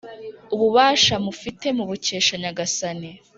Ububasha mufite mubukesha Nyagasani,